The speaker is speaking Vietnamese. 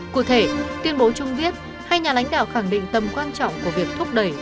cụ thể tuyên bố chung việt hay nhà lãnh đạo khẳng định tầm quan trọng của việc thúc đẩy